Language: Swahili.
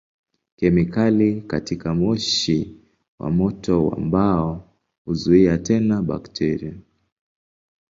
Kemikali katika moshi wa moto wa mbao huzuia tena bakteria.